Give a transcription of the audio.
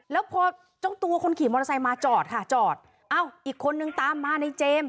แล้วพอเจ้าตัวคนขี่มอเตอร์ไซค์มาจอดค่ะจอดเอ้าอีกคนนึงตามมาในเจมส์